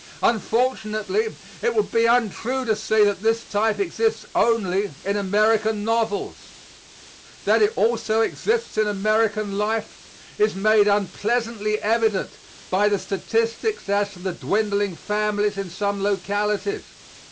Unfortunately it would be untrue to say that this type exists only in American novels. That it also exists in American life is made unpleasantly evident by the statistics as to the dwindling families in some localities.